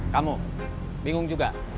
kamu bingung juga